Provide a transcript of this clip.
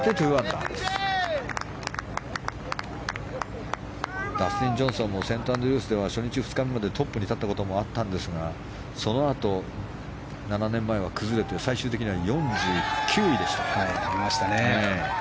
ダスティン・ジョンソンもセントアンドリュースでは初日、２日目までトップに立ったこともあったんですがそのあと、７年前は崩れて最終的には４９位でした。